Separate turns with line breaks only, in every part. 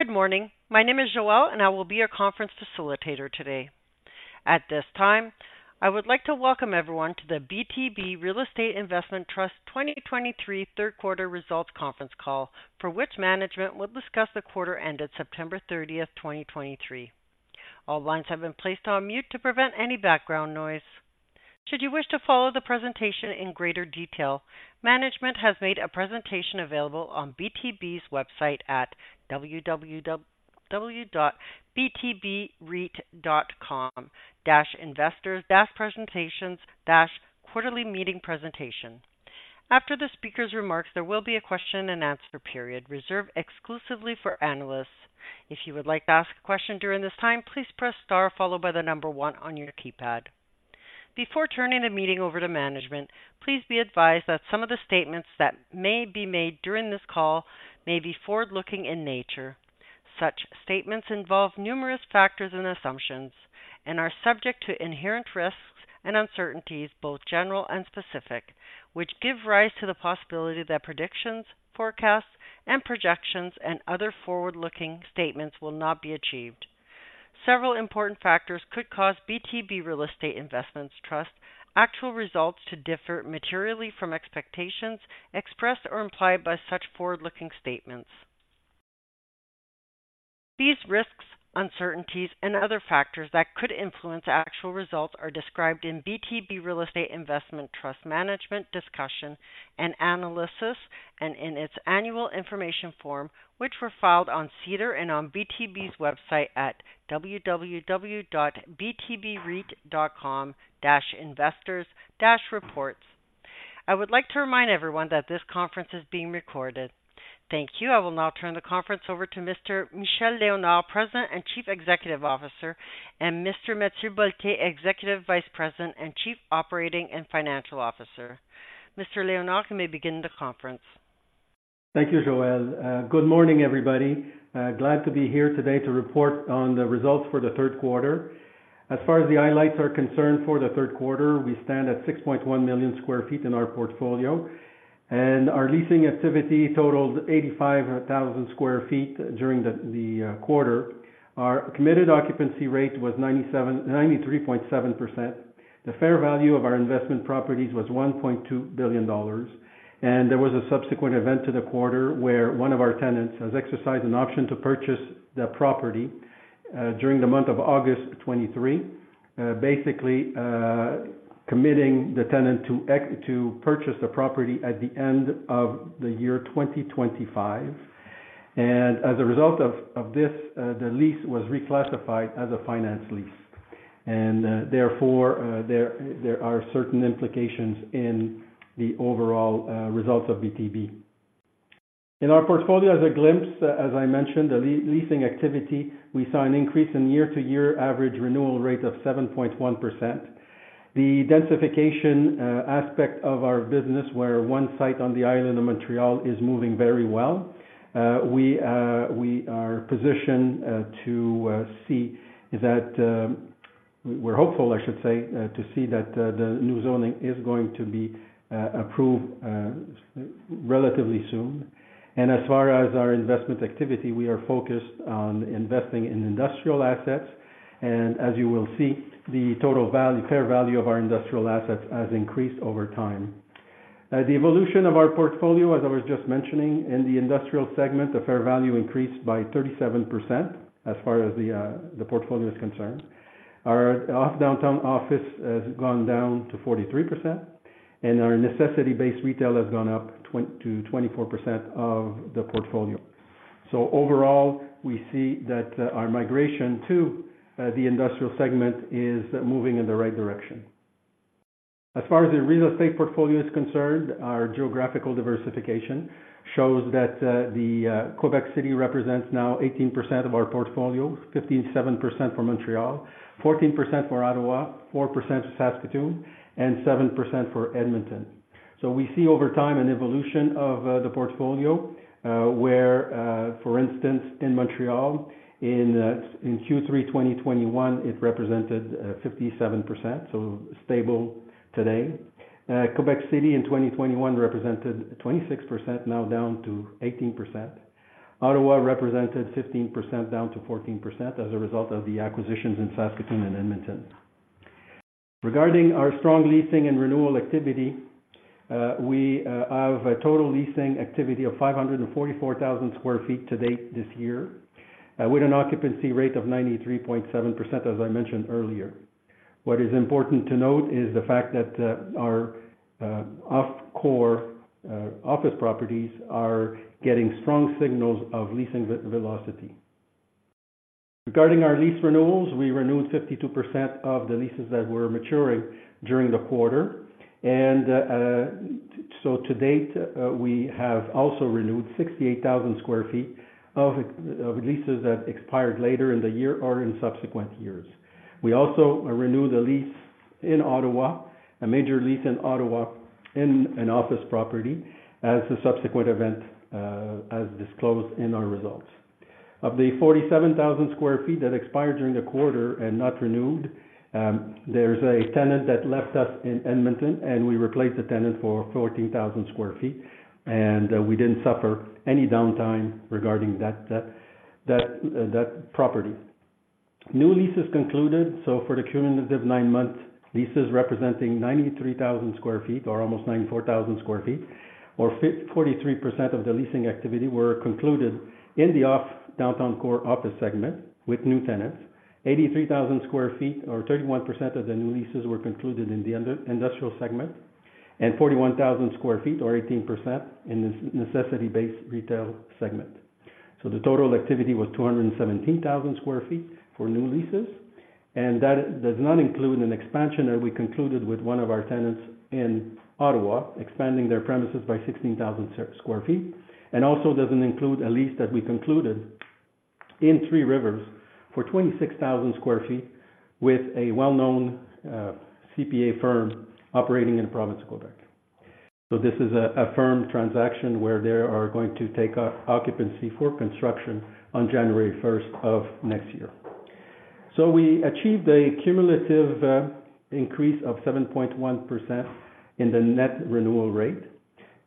Good morning. My name is Joelle, and I will be your conference facilitator today. At this time, I would like to welcome everyone to the BTB Real Estate Investment Trust 2023 third quarter results conference call, for which management will discuss the quarter ended September 30, 2023. All lines have been placed on mute to prevent any background noise. Should you wish to follow the presentation in greater detail, management has made a presentation available on BTB's website at www.btbreit.com-investors-presentations-quarterly-meeting-presentation. After the speaker's remarks, there will be a question and answer period reserved exclusively for analysts. If you would like to ask a question during this time, please press star followed by the number one on your keypad. Before turning the meeting over to management, please be advised that some of the statements that may be made during this call may be forward-looking in nature. Such statements involve numerous factors and assumptions and are subject to inherent risks and uncertainties, both general and specific, which give rise to the possibility that predictions, forecasts, and projections, and other forward-looking statements will not be achieved. Several important factors could cause BTB Real Estate Investment Trust actual results to differ materially from expectations expressed or implied by such forward-looking statements. These risks, uncertainties and other factors that could influence actual results are described in BTB Real Estate Investment Trust management discussion and analysis, and in its annual information form, which were filed on SEDAR and on BTB's website at www.btbreit.com-investors-reports. I would like to remind everyone that this conference is being recorded. Thank you. I will now turn the conference over to Mr. Michel Léonard, President and Chief Executive Officer, and Mr. Mathieu Bolté, Executive Vice President and Chief Operating and Financial Officer. Mr. Léonard, you may begin the conference.
Thank you, Joelle. Good morning, everybody. Glad to be here today to report on the results for the third quarter. As far as the highlights are concerned, for the third quarter, we stand at 6.1 million sq ft in our portfolio, and our leasing activity totaled 85,000 sq ft during the quarter. Our committed occupancy rate was 93.7%. The fair value of our investment properties was 1.2 billion dollars, and there was a subsequent event to the quarter where one of our tenants has exercised an option to purchase the property during the month of August 2023. Basically, committing the tenant to purchase the property at the end of the year 2025. As a result of this, the lease was reclassified as a finance lease, and therefore, there are certain implications in the overall results of BTB. In our portfolio, as a glimpse, as I mentioned, the leasing activity, we saw an increase in year-to-year average renewal rate of 7.1%. The densification aspect of our business, where one site on the island of Montreal is moving very well. We are positioned to see is that... We're hopeful, I should say, to see that the new zoning is going to be approved relatively soon. As far as our investment activity, we are focused on investing in industrial assets, and as you will see, the total fair value of our industrial assets has increased over time. The evolution of our portfolio, as I was just mentioning, in the industrial segment, the fair value increased by 37% as far as the portfolio is concerned. Our off-downtown office has gone down to 43%, and our necessity-based retail has gone up to 24% of the portfolio. So overall, we see that our migration to the industrial segment is moving in the right direction. As far as the real estate portfolio is concerned, our geographical diversification shows that Quebec City represents now 18% of our portfolio, 57% for Montreal, 14% for Ottawa, 4% for Saskatoon, and 7% for Edmonton. So we see over time an evolution of the portfolio, where, for instance, in Montreal, in Q3 2021, it represented 57%, so stable today. Quebec City in 2021 represented 26%, now down to 18%. Ottawa represented 15%, down to 14% as a result of the acquisitions in Saskatoon and Edmonton. Regarding our strong leasing and renewal activity, we have a total leasing activity of 544,000 sq ft to date this year, with an occupancy rate of 93.7%, as I mentioned earlier. What is important to note is the fact that, our off-core office properties are getting strong signals of leasing velocity. Regarding our lease renewals, we renewed 52% of the leases that were maturing during the quarter. So to date, we have also renewed 68,000 sq ft of leases that expired later in the year or in subsequent years. We also renewed a lease in Ottawa, a major lease in Ottawa, in an office property as a subsequent event, as disclosed in our results. Of the 47,000 sq ft that expired during the quarter and not renewed, there's a tenant that left us in Edmonton, and we replaced the tenant for 14,000 sq ft, and we didn't suffer any downtime regarding that property. New leases concluded, so for the cumulative nine months, leases representing 93,000 sq ft or almost 94,000 sq ft, or 43% of the leasing activity were concluded in the off downtown core office segment with new tenants. 83,000 sq ft, or 31% of the new leases, were concluded in the industrial segment, and 41,000 sq ft, or 18%, in the necessity-based retail segment. So the total activity was 217,000 sq ft for new leases, and that does not include an expansion that we concluded with one of our tenants in Ottawa, expanding their premises by 16,000 sq ft, and also doesn't include a lease that we concluded in Three Rivers for 26,000 sq ft with a well-known CPA firm operating in the province of Quebec. So this is a firm transaction where they are going to take occupancy for construction on January first of next year. So we achieved a cumulative increase of 7.1% in the net renewal rate,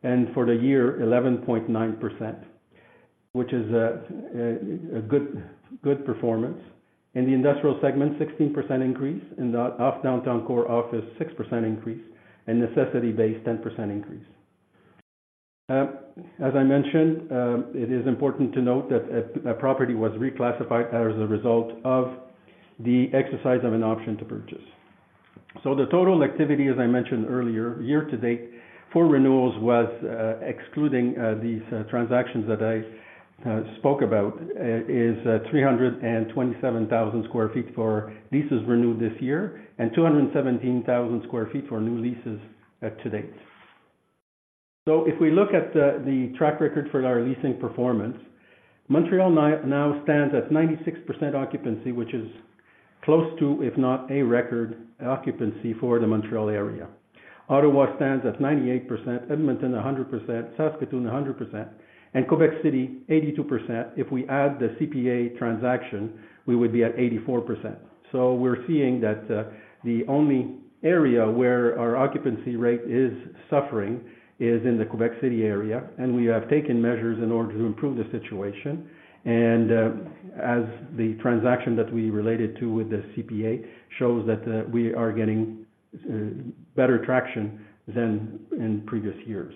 and for the year, 11.9%, which is a good performance. In the industrial segment, 16% increase, in the off-downtown core office, 6% increase, and necessity-based, 10% increase. As I mentioned, it is important to note that a property was reclassified as a result of the exercise of an option to purchase. So the total activity, as I mentioned earlier, year-to-date for renewals was, excluding these transactions that I spoke about, 327,000 sq ft for leases renewed this year, and 217,000 sq ft for new leases to date. So if we look at the track record for our leasing performance, Montreal now stands at 96% occupancy, which is close to, if not a record occupancy for the Montreal area. Ottawa stands at 98%, Edmonton 100%, Saskatoon 100%, and Quebec City 82%. If we add the CPA transaction, we would be at 84%. So we're seeing that, the only area where our occupancy rate is suffering is in the Quebec City area, and we have taken measures in order to improve the situation. And, as the transaction that we related to with the CPA shows that, we are getting better traction than in previous years.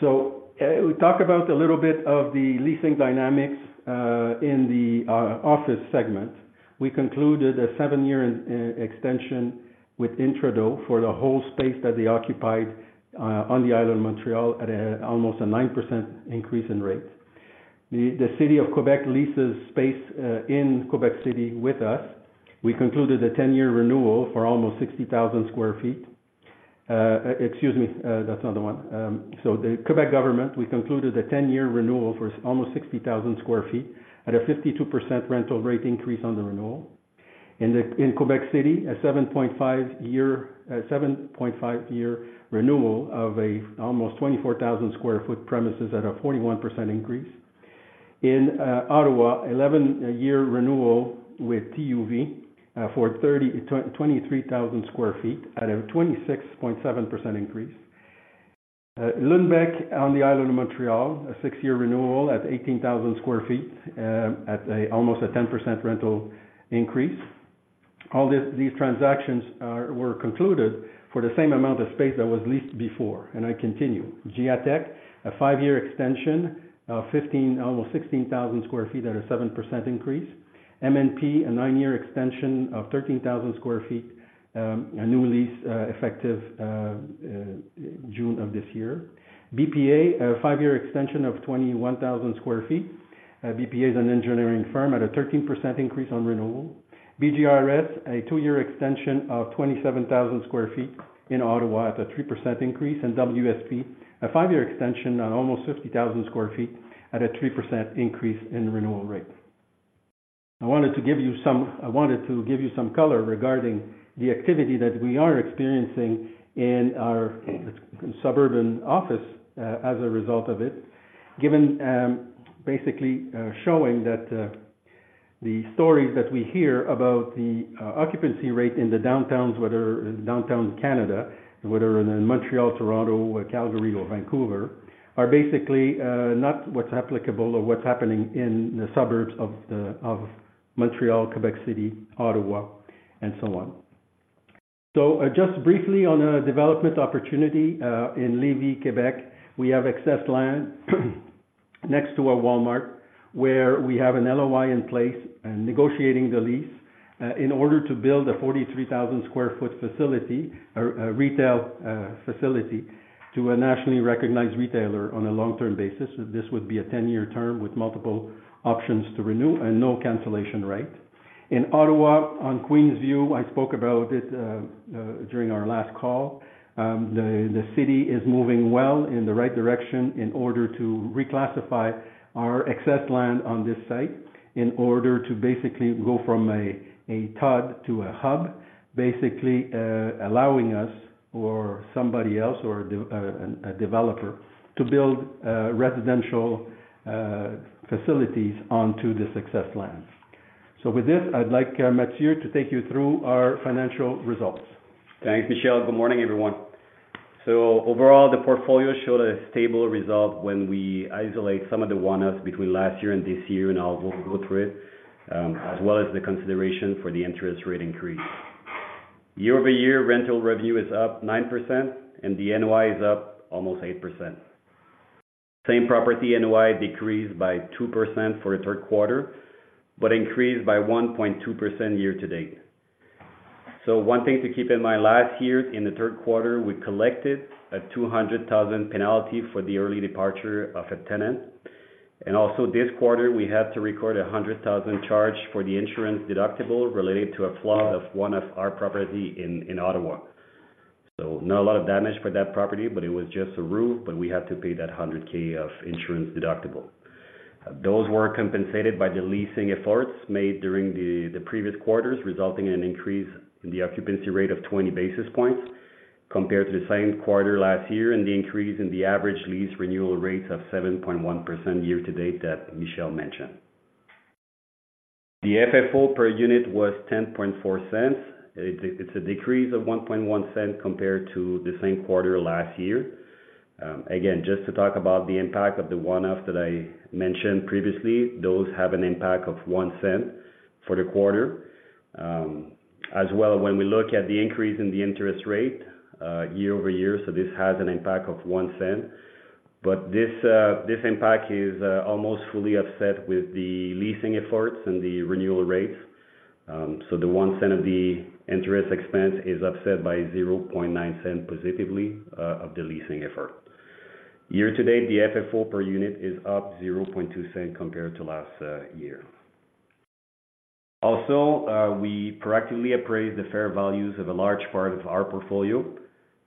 So, we talk about a little bit of the leasing dynamics, in the office segment. We concluded a 7-year extension with Intrado for the whole space that they occupied, on the island of Montreal, at almost a 9% increase in rate. The city of Quebec leases space, in Quebec City with us. We concluded a 10-year renewal for almost 60,000 sq ft. Excuse me, that's not the one. So the Quebec government, we concluded a 10-year renewal for almost 60,000 sq ft at a 52% rental rate increase on the renewal. In Quebec City, a 7.5-year renewal of almost 24,000 sq ft premises at a 41% increase. In Ottawa, 11-year renewal with TÜV for 23,000 sq ft at a 26.7% increase. Lundbeck, on the island of Montreal, a 6-year renewal at 18,000 sq ft at almost a 10% rental increase. All these transactions were concluded for the same amount of space that was leased before, and I continue. Giatec, a 5-year extension, almost 16,000 sq ft at a 7% increase. MNP, a 9-year extension of 13,000 sq ft, a new lease, June of this year. BPA, a 5-year extension of 21,000 sq ft. BPA is an engineering firm at a 13% increase on renewal. BGRS, a 2-year extension of 27,000 sq ft in Ottawa at a 3% increase. And WSP, a 5-year extension on almost 50,000 sq ft at a 3% increase in renewal rate. I wanted to give you some color regarding the activity that we are experiencing in our suburban office, as a result of it, given, basically, showing that, the stories that we hear about the, occupancy rate in the downtowns, whether downtown Canada, whether in Montreal, Toronto, or Calgary or Vancouver, are basically, not what's applicable or what's happening in the suburbs of Montreal, Quebec City, Ottawa, and so on. So, just briefly on a development opportunity, in Lévis, Quebec, we have excess land next to a Walmart, where we have an LOI in place, negotiating the lease, in order to build a 43,000 sq ft facility, a retail, facility, to a nationally recognized retailer on a long-term basis. This would be a 10-year term with multiple options to renew and no cancellation right. In Ottawa, on Queensview, I spoke about it during our last call. The city is moving well in the right direction in order to reclassify our excess land on this site, in order to basically go from a TOD to a hub, basically, allowing us or somebody else, or a developer, to build residential facilities onto this excess lands. So with this, I'd like Mathieu to take you through our financial results.
Thanks, Michel. Good morning, everyone....
So overall, the portfolio showed a stable result when we isolate some of the one-offs between last year and this year, and I'll go through it, as well as the consideration for the interest rate increase. Year-over-year rental revenue is up 9%, and the NOI is up almost 8%. Same property NOI decreased by 2% for the third quarter, but increased by 1.2% year-to-date. So one thing to keep in mind, last year, in the third quarter, we collected a 200,000 penalty for the early departure of a tenant, and also this quarter, we had to record a 100,000 charge for the insurance deductible related to a flood of one of our properties in Ottawa. So not a lot of damage for that property, but it was just a roof, but we had to pay that 100,000 of insurance deductible. Those were compensated by the leasing efforts made during the previous quarters, resulting in an increase in the occupancy rate of 20 basis points compared to the same quarter last year, and the increase in the average lease renewal rates of 7.1% year-to-date that Michel mentioned. The FFO per unit was 0.104. It's a decrease of 0.011 compared to the same quarter last year. Again, just to talk about the impact of the one-off that I mentioned previously, those have an impact of 0.01 for the quarter. As well, when we look at the increase in the interest rate year-over-year, so this has an impact of 0.01, but this impact is almost fully offset with the leasing efforts and the renewal rates. So the one cent of the interest expense is offset by 0.09 positively of the leasing effort. Year to date, the FFO per unit is up 0.02 compared to last year. Also, we proactively appraised the fair values of a large part of our portfolio.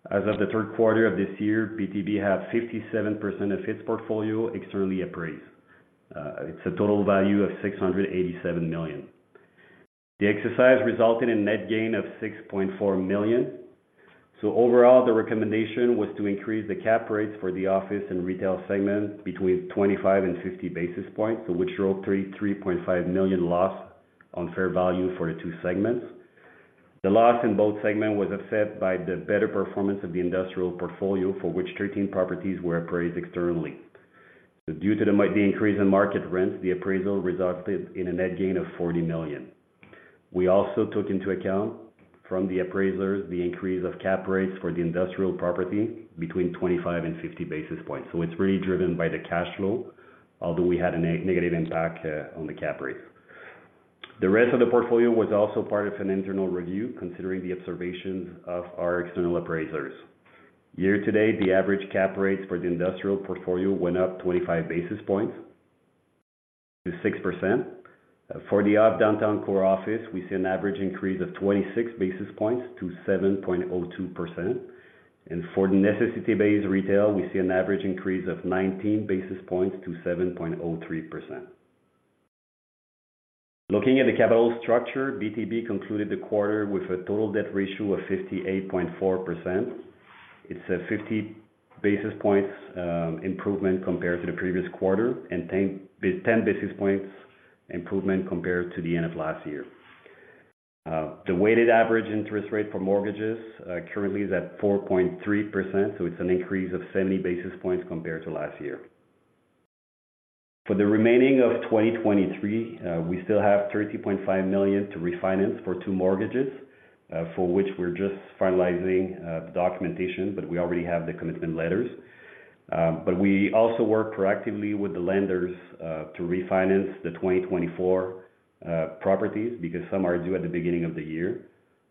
As of the third quarter of this year, BTB have 57% of its portfolio externally appraised. It's a total value of 687 million. The exercise resulted in net gain of 6.4 million. So overall, the recommendation was to increase the cap rates for the office and retail segment between 25 and 50 basis points, so which showed 3.5 million loss on fair value for the two segments. The loss in both segments was offset by the better performance of the industrial portfolio, for which 13 properties were appraised externally. So due to the increase in market rents, the appraisal resulted in a net gain of 40 million. We also took into account, from the appraisers, the increase of cap rates for the industrial property between 25 and 50 basis points. So it's really driven by the cash flow, although we had a negative impact on the cap rates. The rest of the portfolio was also part of an internal review, considering the observations of our external appraisers. Year to date, the average cap rates for the industrial portfolio went up 25 basis points to 6%. For the off downtown core office, we see an average increase of 26 basis points to 7.02%, and for the necessity-based retail, we see an average increase of 19 basis points to 7.03%. Looking at the capital structure, BTB concluded the quarter with a total debt ratio of 58.4%. It's a 50 basis points improvement compared to the previous quarter, and 10 basis points improvement compared to the end of last year. The weighted average interest rate for mortgages currently is at 4.3%, so it's an increase of 70 basis points compared to last year. For the remaining of 2023, we still have 30.5 million to refinance for two mortgages, for which we're just finalizing the documentation, but we already have the commitment letters. But we also work proactively with the lenders to refinance the 2024 properties, because some are due at the beginning of the year.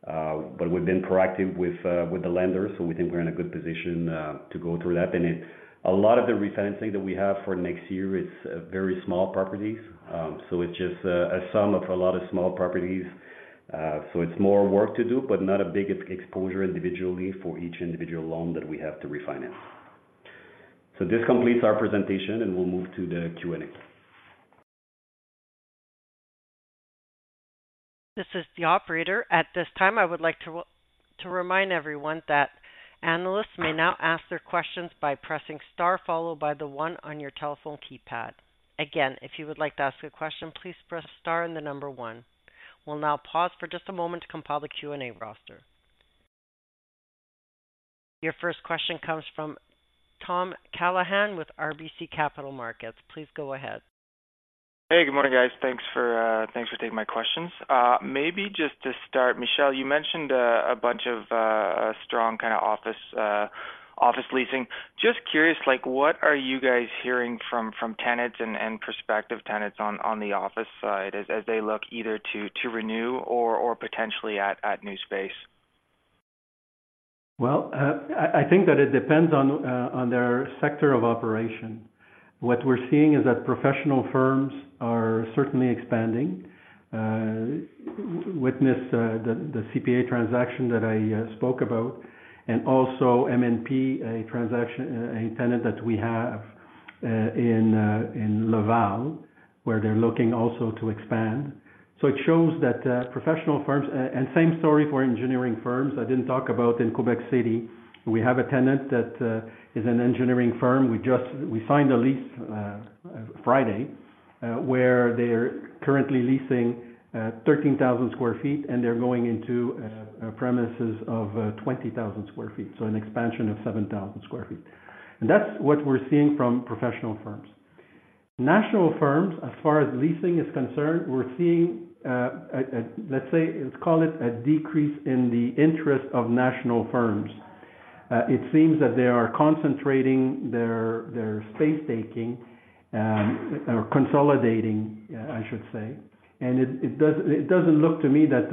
But we've been proactive with the lenders, so we think we're in a good position to go through that. A lot of the refinancing that we have for next year is very small properties. So it's just a sum of a lot of small properties. So it's more work to do, but not a big exposure individually for each individual loan that we have to refinance. So this completes our presentation, and we'll move to the Q&A.
This is the operator. At this time, I would like to remind everyone that analysts may now ask their questions by pressing star, followed by the one on your telephone keypad. Again, if you would like to ask a question, please press star and the number one. We'll now pause for just a moment to compile the Q&A roster. Your first question comes from Tom Callaghan with RBC Capital Markets. Please go ahead.
Hey, good morning, guys. Thanks for taking my questions. Maybe just to start, Michel, you mentioned a bunch of strong kind of office leasing. Just curious, like, what are you guys hearing from tenants and prospective tenants on the office side as they look either to renew or potentially at new space?
Well, I think that it depends on their sector of operation. What we're seeing is that professional firms are certainly expanding, witness the CPA transaction that I spoke about, and also MNP, a transaction, a tenant that we have in Laval, where they're looking also to expand. So it shows that professional firms, and same story for engineering firms. I didn't talk about in Quebec City, we have a tenant that is an engineering firm. We just signed a lease Friday.... where they're currently leasing 13,000 sq ft, and they're going into premises of 20,000 sq ft. So an expansion of 7,000 sq ft. And that's what we're seeing from professional firms. National firms, as far as leasing is concerned, we're seeing, let's say, let's call it a decrease in the interest of national firms. It seems that they are concentrating their space taking or consolidating, I should say. It doesn't look to me that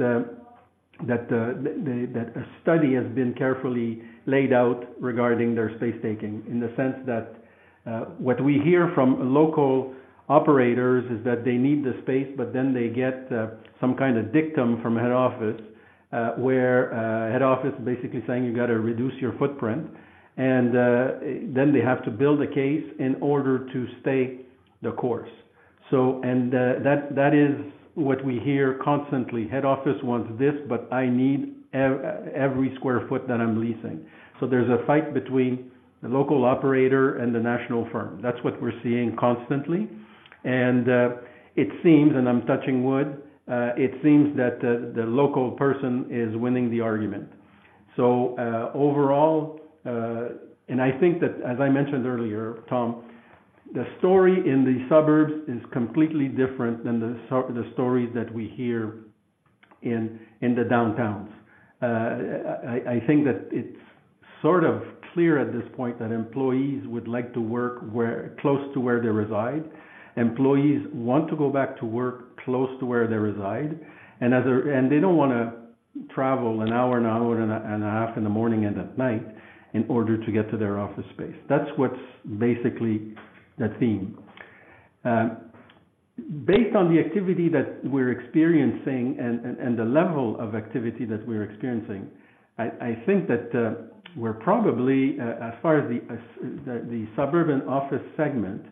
a study has been carefully laid out regarding their space taking, in the sense that what we hear from local operators is that they need the space, but then they get some kind of dictum from head office, where head office is basically saying, "You got to reduce your footprint." And then they have to build a case in order to stay the course. So that is what we hear constantly: "Head office wants this, but I need every square foot that I'm leasing." So there's a fight between the local operator and the national firm. That's what we're seeing constantly. And it seems, and I'm touching wood, it seems that the local person is winning the argument. So overall... I think that, as I mentioned earlier, Tom, the story in the suburbs is completely different than the stories that we hear in the downtowns. I think that it's sort of clear at this point that employees would like to work close to where they reside. Employees want to go back to work close to where they reside, and they don't wanna travel an hour, an hour and a half in the morning and at night in order to get to their office space. That's what's basically the theme. Based on the activity that we're experiencing and the level of activity that we're experiencing, I think that we're probably, as far as the suburban office segment,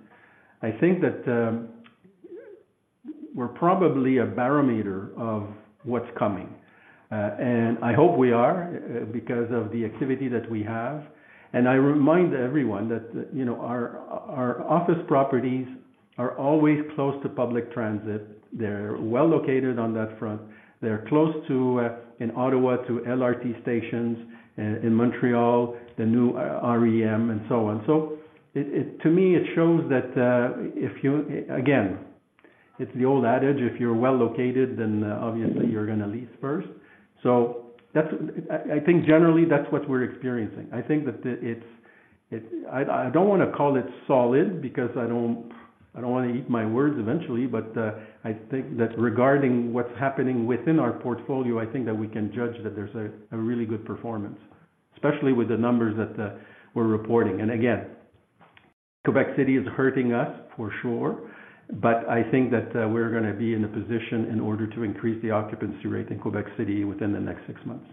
I think that we're probably a barometer of what's coming. And I hope we are, because of the activity that we have. And I remind everyone that, you know, our office properties are always close to public transit. They're well located on that front. They're close to, in Ottawa, to LRT stations, in Montreal, the new REM, and so on. So, to me, it shows that if you... Again, it's the old adage, if you're well located, then obviously, you're gonna lease first. So that's-- I think generally that's what we're experiencing. I think that it's-- I don't wanna call it solid, because I don't wanna eat my words eventually, but I think that regarding what's happening within our portfolio, I think that we can judge that there's a really good performance, especially with the numbers that we're reporting. Again, Quebec City is hurting us, for sure, but I think that we're gonna be in a position in order to increase the occupancy rate in Quebec City within the next six months.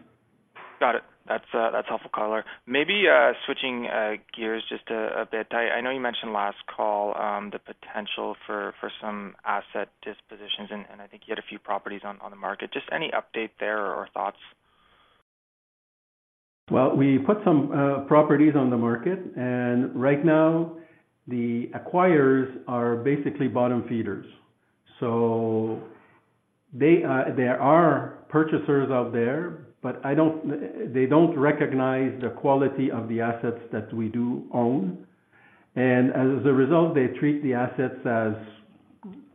Got it. That's helpful, Color. Maybe switching gears just a bit. I know you mentioned last call the potential for some asset dispositions, and I think you had a few properties on the market. Just any update there or thoughts?
Well, we put some properties on the market, and right now, the acquirers are basically bottom feeders. So they, there are purchasers out there, but they don't recognize the quality of the assets that we do own, and as a result, they treat the assets as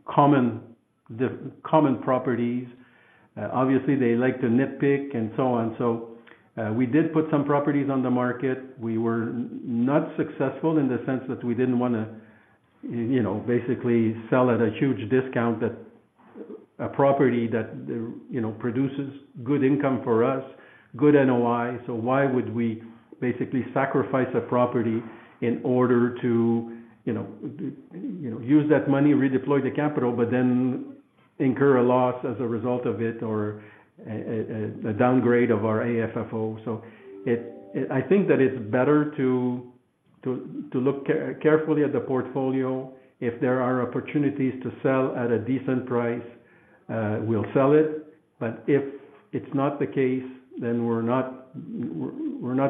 common, the common properties. Obviously, they like to nitpick and so on. So, we did put some properties on the market. We were not successful in the sense that we didn't wanna, you know, basically sell at a huge discount, that a property that, you know, produces good income for us, good NOI. So why would we basically sacrifice a property in order to, you know, you know, use that money, redeploy the capital, but then incur a loss as a result of it or, a downgrade of our AFFO? So, I think that it's better to look carefully at the portfolio. If there are opportunities to sell at a decent price, we'll sell it, but if it's not the case, then we're not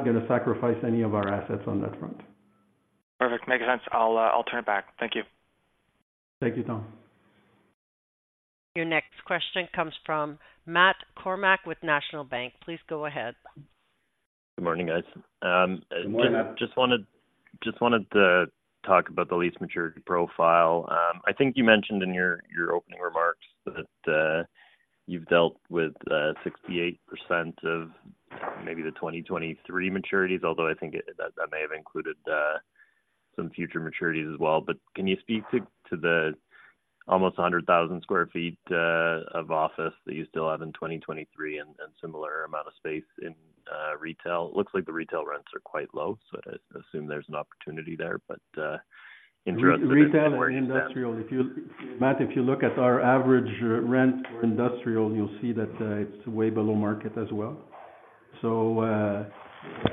gonna sacrifice any of our assets on that front.
Perfect. Makes sense. I'll, I'll turn it back. Thank you.
Thank you, Tom.
Your next question comes from Matt Kornack with National Bank. Please go ahead.
Good morning, guys.
Good morning.
Just wanted to talk about the lease maturity profile. I think you mentioned in your opening remarks that you've dealt with 68% of maybe the 2023 maturities, although I think that may have included some future maturities as well. But can you speak to the almost 100,000 sq ft of office that you still have in 2023 and similar amount of space in retail? It looks like the retail rents are quite low, so I assume there's an opportunity there, but in general-
Retail and industrial, if you, Matt, if you look at our average rent for industrial, you'll see that it's way below market as well. So,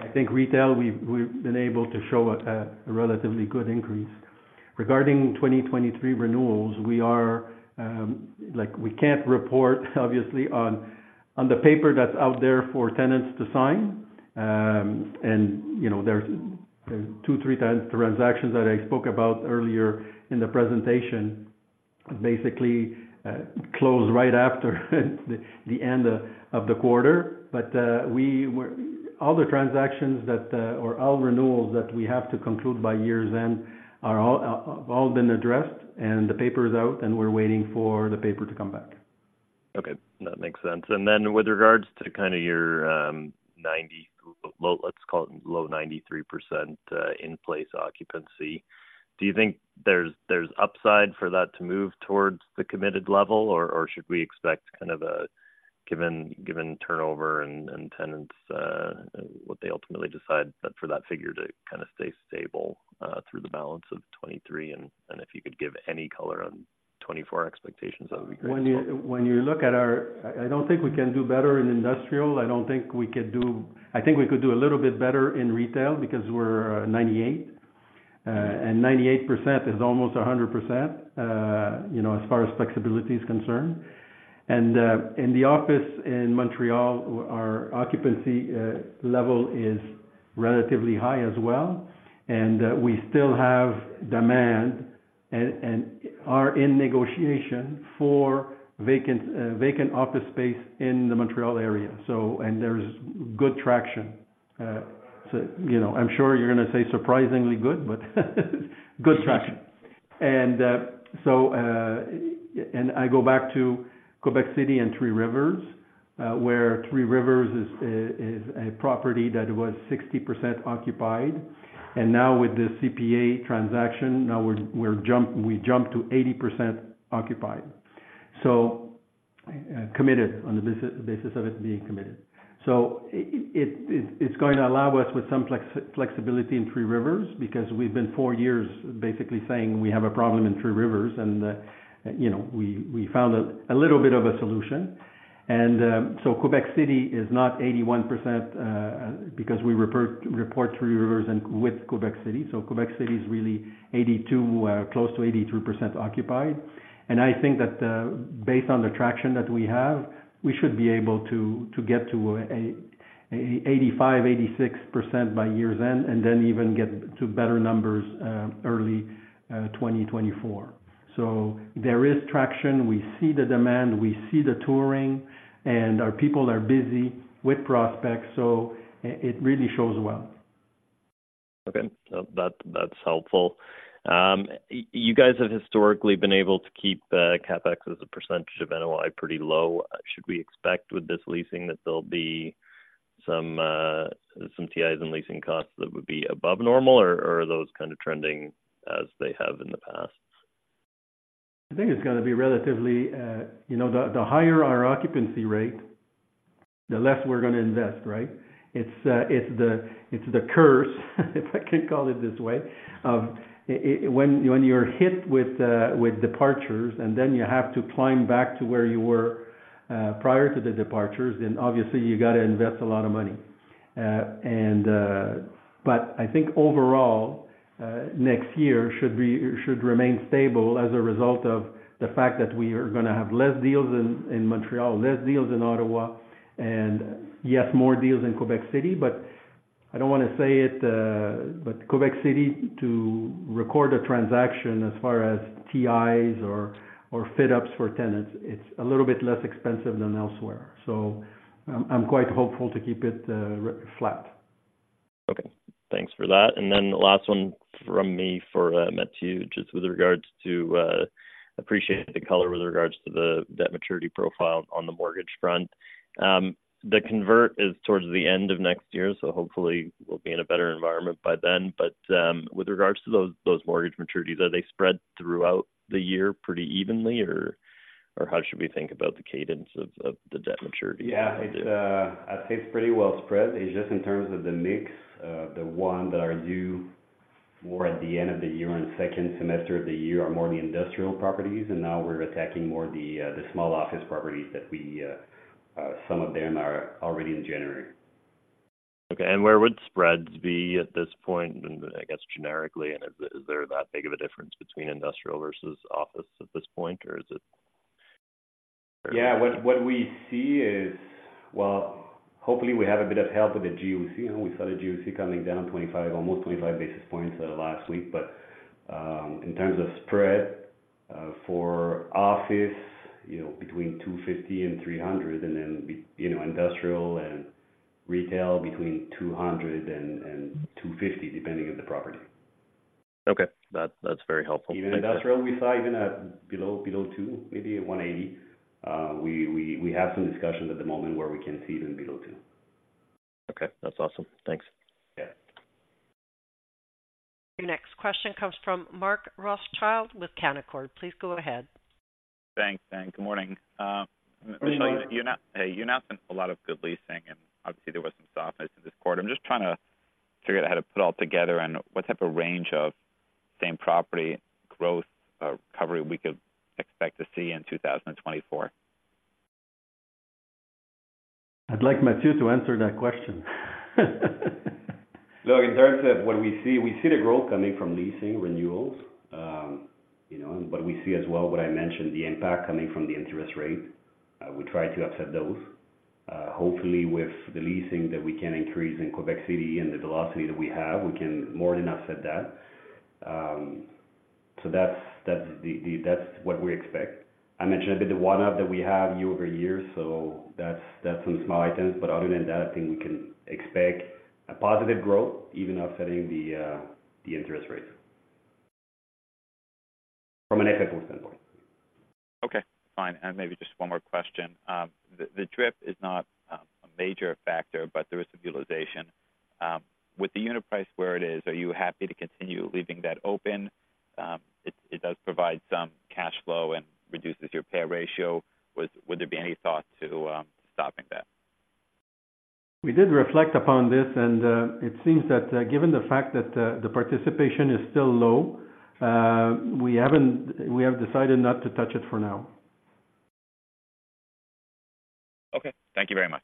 I think retail, we've been able to show a relatively good increase. Regarding 2023 renewals, like, we can't report obviously on the paper that's out there for tenants to sign. And, you know, there's two, three tenant transactions that I spoke about earlier in the presentation, basically closed right after the end of the quarter. But all the transactions that or all renewals that we have to conclude by year's end are all have all been addressed, and the paper is out, and we're waiting for the paper to come back.
Okay, that makes sense. And then with regards to kind of your ninety, let's call it low 93%, in-place occupancy, do you think there's upside for that to move towards the committed level? Or should we expect kind of a given, given turnover and tenants what they ultimately decide, but for that figure to kind of stay stable through the balance of 2023? And if you could give any color on 2024 expectations, that would be great.
When you look at our... I don't think we can do better in industrial. I don't think we could do. I think we could do a little bit better in retail because we're 98, and 98% is almost 100%, you know, as far as flexibility is concerned. And in the office in Montreal, our occupancy level is relatively high as well, and we still have demand and are in negotiation for vacant, vacant office space in the Montreal area. So. And there's good traction. So, you know, I'm sure you're gonna say surprisingly good, but good traction. I go back to Quebec City and Three Rivers, where Three Rivers is a property that was 60% occupied, and now with the CPA transaction, we jumped to 80% occupied. So, committed on the basis of it being committed. So it's going to allow us with some flexibility in Three Rivers, because we've been 4 years basically saying we have a problem in Three Rivers, and you know, we found a little bit of a solution. So Quebec City is not 81%, because we report Three Rivers with Quebec City. So Quebec City is really 82%, close to 83% occupied. And I think that, based on the traction that we have, we should be able to get to 85%-86% by year's end, and then even get to better numbers early 2024. So there is traction. We see the demand, we see the touring, and our people are busy with prospects, so it really shows well.
Okay. So that, that's helpful. You guys have historically been able to keep CapEx as a percentage of NOI pretty low. Should we expect with this leasing, that there'll be some TIs and leasing costs that would be above normal, or are those kind of trending as they have in the past?
I think it's gonna be relatively. You know, the higher our occupancy rate, the less we're gonna invest, right? It's the curse, if I can call it this way, when you're hit with departures and then you have to climb back to where you were prior to the departures, then obviously you got to invest a lot of money. But I think overall, next year should be, should remain stable as a result of the fact that we are gonna have less deals in Montreal, less deals in Ottawa, and yes, more deals in Quebec City. But I don't wanna say it, but Quebec City, to record a transaction as far as TIs or fit ups for tenants, it's a little bit less expensive than elsewhere. So I'm quite hopeful to keep it flat.
Okay, thanks for that. And then the last one from me, for Mathieu, just with regards to appreciate the color with regards to the debt maturity profile on the mortgage front. The convert is towards the end of next year, so hopefully we'll be in a better environment by then. But with regards to those mortgage maturities, are they spread throughout the year pretty evenly, or how should we think about the cadence of the debt maturity?
Yeah, it's. I'd say it's pretty well spread. It's just in terms of the mix, the ones that are due more at the end of the year and second semester of the year are more the industrial properties, and now we're attacking more the, the small office properties that we, some of them are already in January.
Okay, and where would spreads be at this point, and I guess generically, and is there that big of a difference between industrial versus office at this point, or is it?
Yeah. What we see is... Well, hopefully, we have a bit of help with the GOC. You know, we saw the GOC coming down 25, almost 25 basis points, last week. But, in terms of spread, for office, you know, between 250 and 300, and then, you know, industrial and retail between 200 and, and 250, depending on the property.
Okay. That's, that's very helpful.
In industrial, we saw even at below, below two, maybe at 1.80. We have some discussions at the moment where we can see even below 2.
Okay, that's awesome. Thanks.
Yeah.
Your next question comes from Mark Rothschild with Canaccord. Please go ahead.
Thanks, and good morning.
Good morning.
You announced, hey, you announced a lot of good leasing, and obviously there was some softness in this quarter. I'm just trying to figure out how to put it all together and what type of range of same property growth or recovery we could expect to see in 2024?...
I'd like Mathieu to answer that question.
Look, in terms of what we see, we see the growth coming from leasing renewals, you know, but we see as well what I mentioned, the impact coming from the interest rate. We try to offset those, hopefully with the leasing that we can increase in Quebec City and the velocity that we have, we can more than offset that. So that's, that's the, the, that's what we expect. I mentioned a bit, the one-off that we have year-over-year, so that's, that's some small items. But other than that, I think we can expect a positive growth, even offsetting the, the interest rates. From an FFO standpoint.
Okay, fine. And maybe just one more question. The DRIP is not a major factor, but there is some utilization. With the unit price where it is, are you happy to continue leaving that open? It does provide some cash flow and reduces your payout ratio. Would there be any thought to stopping that?
We did reflect upon this, and it seems that, given the fact that the participation is still low, we have decided not to touch it for now.
Okay. Thank you very much.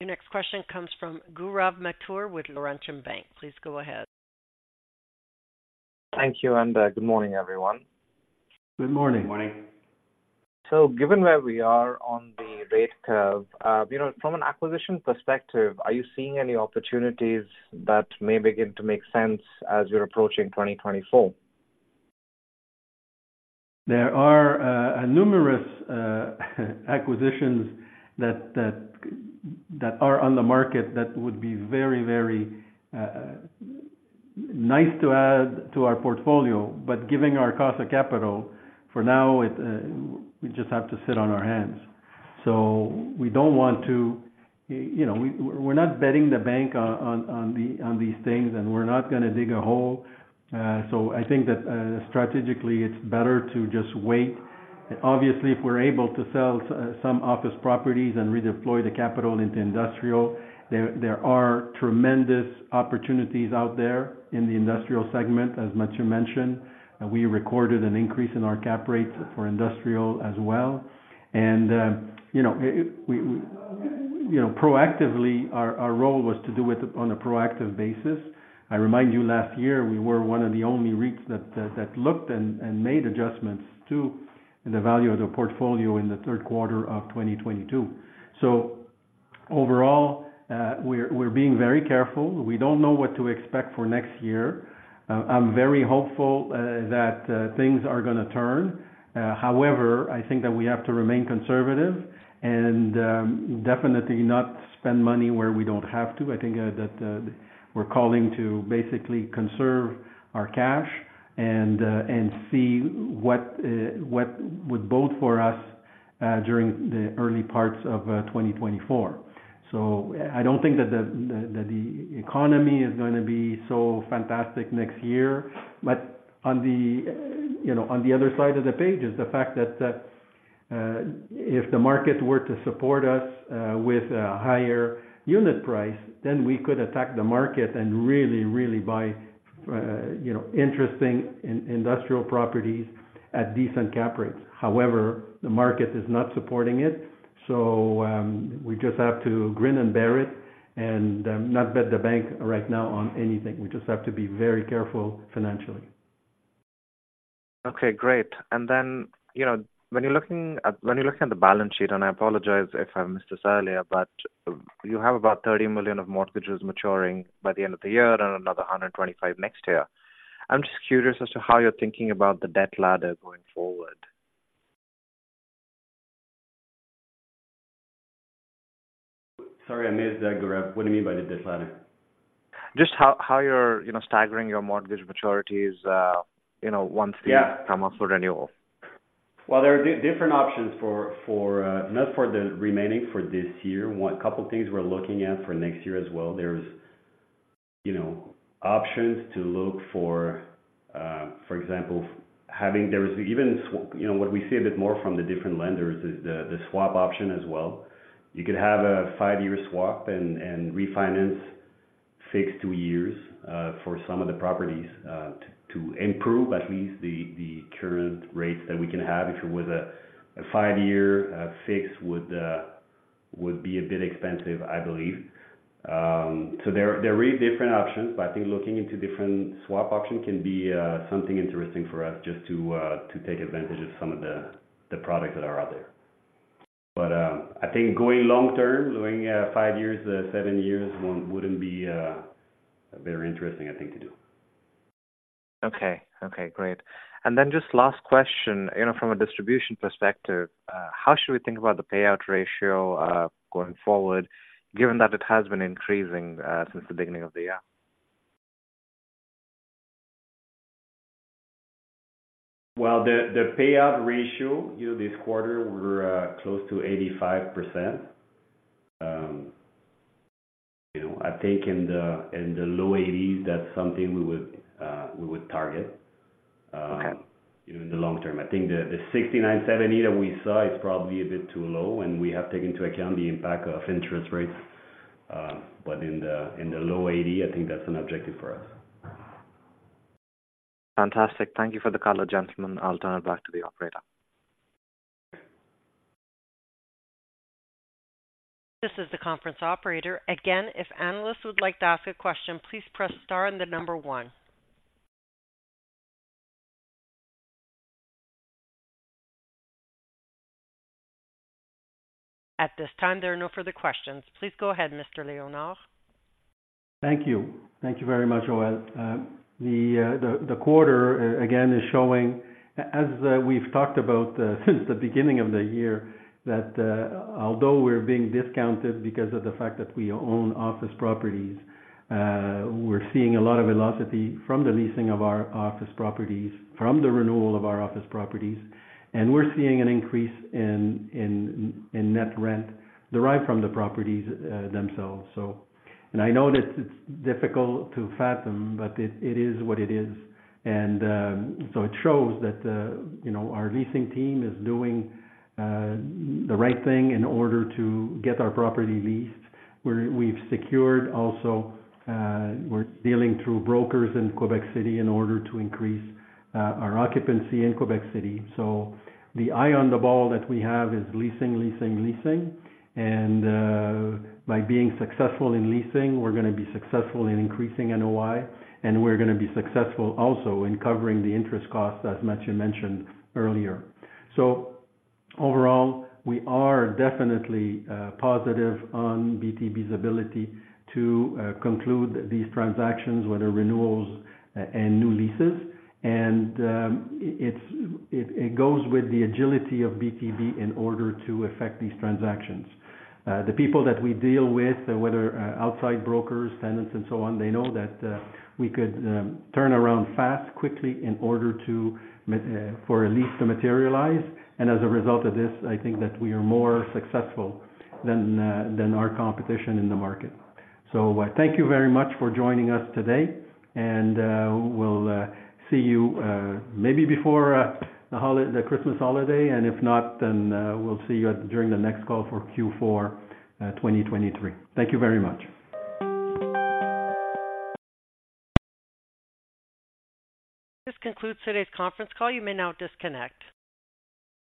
Your next question comes from Gaurav Mathur, with Laurentian Bank. Please go ahead.
Thank you, and good morning, everyone.
Good morning.
Morning.
Given where we are on the rate curve, you know, from an acquisition perspective, are you seeing any opportunities that may begin to make sense as you're approaching 2024?
There are numerous acquisitions that are on the market that would be very, very nice to add to our portfolio. But given our cost of capital, for now, we just have to sit on our hands. So we don't want to. You know, we're not betting the bank on these things, and we're not going to dig a hole. So I think that strategically, it's better to just wait. Obviously, if we're able to sell some office properties and redeploy the capital into industrial, there are tremendous opportunities out there in the industrial segment, as Mathieu mentioned. We recorded an increase in our cap rates for industrial as well. And you know, we proactively, our role was to do it on a proactive basis. I remind you, last year, we were one of the only REITs that looked and made adjustments to the value of the portfolio in the third quarter of 2022. So overall, we're being very careful. We don't know what to expect for next year. I'm very hopeful that things are going to turn. However, I think that we have to remain conservative and definitely not spend money where we don't have to. I think that we're calling to basically conserve our cash and see what would bode for us during the early parts of 2024. So I don't think that the economy is going to be so fantastic next year. On the, you know, on the other side of the page is the fact that, if the market were to support us with a higher unit price, then we could attack the market and really, really buy, you know, interesting industrial properties at decent cap rates. However, the market is not supporting it, so we just have to grin and bear it, and not bet the bank right now on anything. We just have to be very careful financially.
Okay, great. And then, you know, when you're looking at, when you're looking at the balance sheet, and I apologize if I missed this earlier, but you have about 30 million of mortgages maturing by the end of the year and another 125 million next year. I'm just curious as to how you're thinking about the debt ladder going forward.
Sorry, I missed that, Gaurav. What do you mean by the debt ladder?
Just how you're, you know, staggering your mortgage maturities, you know, once the-
Yeah.
come up for renewal.
Well, there are different options for, for, not for the remaining, for this year. A couple things we're looking at for next year as well, there's, you know, options to look for, for example. There is even swap. You know, what we see a bit more from the different lenders is the swap option as well. You could have a 5-year swap and refinance, fixed two years, for some of the properties, to improve at least the current rates that we can have. If it was a 5-year fixed would be a bit expensive, I believe. So there are really different options, but I think looking into different swap options can be something interesting for us, just to take advantage of some of the products that are out there. I think going long term, doing five years, seven years, wouldn't be very interesting, I think to do.
Okay. Okay, great. And then just last question. You know, from a distribution perspective, how should we think about the payout ratio, going forward, given that it has been increasing, since the beginning of the year?
Well, the payout ratio, you know, this quarter we're close to 85%. You know, I think in the low 80s, that's something we would target.
Okay...
you know, in the long term. I think the 69-70 that we saw is probably a bit too low, and we have taken into account the impact of interest rates. But in the low 80, I think that's an objective for us....
Fantastic. Thank you for the call, gentlemen. I'll turn it back to the operator.
This is the conference operator. Again, if analysts would like to ask a question, please press Star and the number one. At this time, there are no further questions. Please go ahead, Mr. Léonard.
Thank you. Thank you very much, Joel. The quarter again is showing, as we've talked about since the beginning of the year, that although we're being discounted because of the fact that we own office properties, we're seeing a lot of velocity from the leasing of our office properties, from the renewal of our office properties, and we're seeing an increase in net rent derived from the properties themselves, so. And I know that it's difficult to fathom, but it is what it is. And so it shows that, you know, our leasing team is doing the right thing in order to get our property leased, where we've secured also, we're dealing through brokers in Quebec City in order to increase our occupancy in Quebec City. So the eye on the ball that we have is leasing, leasing, leasing. And by being successful in leasing, we're gonna be successful in increasing NOI, and we're gonna be successful also in covering the interest costs, as Mathieu mentioned earlier. So overall, we are definitely positive on BTB's ability to conclude these transactions, whether renewals and new leases. And it goes with the agility of BTB in order to affect these transactions. The people that we deal with, whether outside brokers, tenants, and so on, they know that we could turn around fast, quickly in order to for a lease to materialize. And as a result of this, I think that we are more successful than than our competition in the market. So, thank you very much for joining us today, and we'll see you maybe before the Christmas holiday, and if not, then we'll see you during the next call for Q4 2023. Thank you very much.
This concludes today's conference call. You may now disconnect.